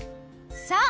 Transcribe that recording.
そう！